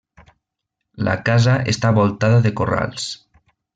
La casa està voltada de corrals.